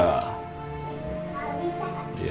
kalau bisa pak